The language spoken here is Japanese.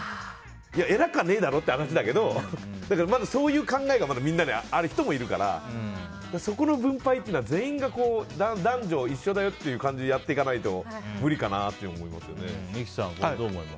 偉くはねえだろという話だけどそういう考えがみんなにある人もいるからそこの分配は全員男女一緒だよって感じで感じでやっていかないと無理かなと思いますよね。